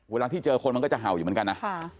เวลาที่เจอคนมันก็จะเห่าอยู่เหมือนกันนะ